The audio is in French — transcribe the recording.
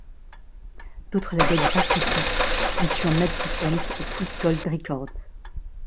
D'autres labels y participent incluant Mad Decent et Fool's Gold Records.